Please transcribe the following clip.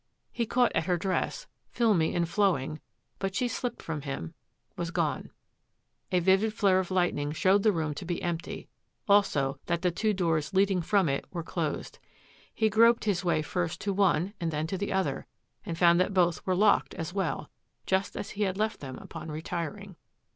He caught at her dress, filmy and flowing, but she slipped from him — was gone. A vivid flare of lightning showed the room to be empty, also that the two doors leading from it were closed. He groped his way first to one and then to the other and found that both were locked as well, just as he had left them upon retiring.